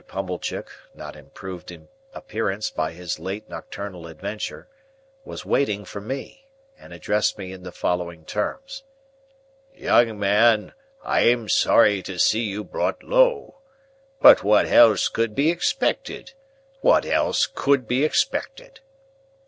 Pumblechook (not improved in appearance by his late nocturnal adventure) was waiting for me, and addressed me in the following terms:— "Young man, I am sorry to see you brought low. But what else could be expected! what else could be expected!"